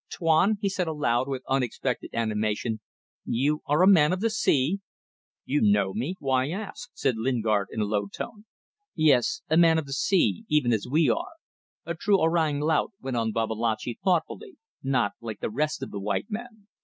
... Tuan," he said aloud with unexpected animation, "you are a man of the sea?" "You know me. Why ask?" said Lingard, in a low tone. "Yes. A man of the sea even as we are. A true Orang Laut," went on Babalatchi, thoughtfully, "not like the rest of the white men."